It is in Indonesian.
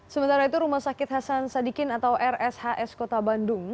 sementara itu rumah sakit hasan sadikin atau rshs kota bandung